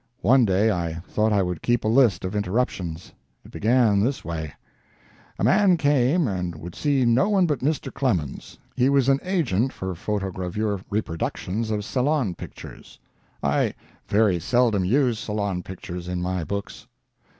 One day I thought I would keep a list of interruptions. It began this way:— "A man came and would see no one but Mr. Clemens.[Pg 179] He was an agent for photogravure reproductions of Salon pictures. I very seldom use Salon pictures in my books.